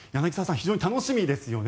非常に楽しみですよね。